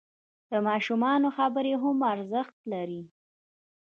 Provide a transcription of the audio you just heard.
د ماشومانو خبرې هم ارزښت لري.